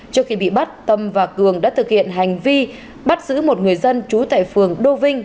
trước khi bị bắt tâm và cường đã thực hiện hành vi bắt giữ một người dân trú tại phường đô vinh